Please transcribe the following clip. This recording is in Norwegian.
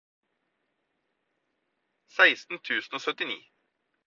seksten tusen og syttini